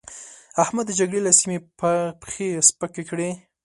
احمد د جګړې له سيمې پښې سپکې کړې.